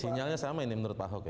sinyalnya sama ini menurut pak ahok ya